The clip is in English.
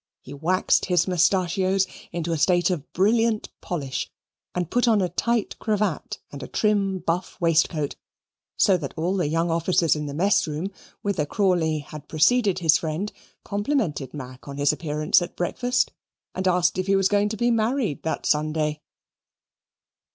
He waxed his mustachios into a state of brilliant polish and put on a tight cravat and a trim buff waistcoat, so that all the young officers in the mess room, whither Crawley had preceded his friend, complimented Mac on his appearance at breakfast and asked if he was going to be married that Sunday.